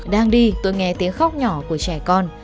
đang đi tôi nghe tiếng khóc nhỏ của trẻ con